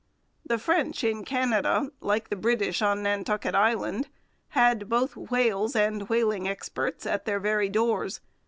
The French in Canada, like the British on Nantucket Island, had both whales and whaling experts at their very doors.